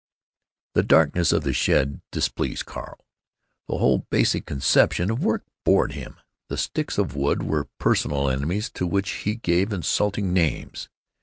The darkness of the shed displeased Carl. The whole basic conception of work bored him. The sticks of wood were personal enemies to which he gave insulting names.